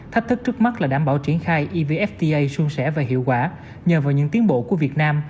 thách thức trước mắt là đảm bảo triển khai evfta xuân sẻ và hiệu quả nhờ vào những tiến bộ của việt nam